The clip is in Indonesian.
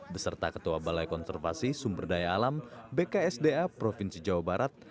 beserta ketua balai konservasi sumber daya alam bksda provinsi jawa barat